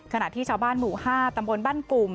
ขณะที่ชาวบ้านหมู่๕ตำบลบ้านปุ่ม